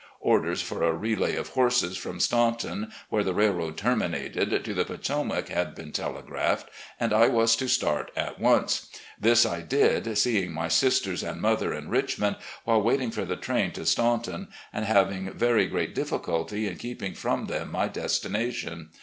Orders for a relay of horses from Staunton, where the railroad terminated, to the Potomac had been telegraphed, and I was to start at once. This I did, seeing my sisters and mother in Richmond while waiting for the train to Statmton, and having very great difficulty in keeping from them my destination.